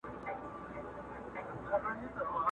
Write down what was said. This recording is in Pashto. o د توري ټپ به جوړسي، د ژبي ټپ نه جوړېږي.